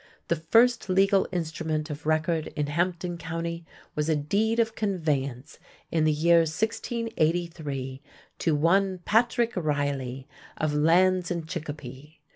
The first legal instrument of record in Hampden County was a deed of conveyance in the year 1683 to one Patrick Riley of lands in Chicopee.